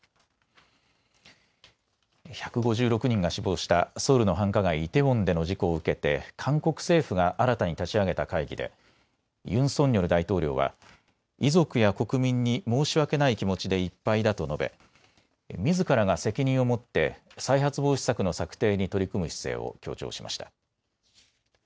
１５６人が死亡したソウルの繁華街、イテウォンでの事故を受けて韓国政府が新たに立ち上げた会議でユン・ソンニョル大統領は遺族や国民に申し訳ない気持ちでいっぱいだと述べみずからが責任を持って再発防止策の策定に取り組む姿勢を強調しました。